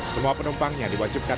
semua penumpangnya diwajibkan